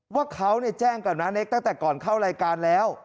ว่าเขาแจ้งกับน้าเน็กตั้งแต่ก่อนเข้ารายการแล้ว